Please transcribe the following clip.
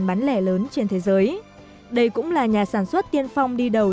bán lẻ lớn trên thế giới đây cũng là nhà sản xuất tiên phong đi đầu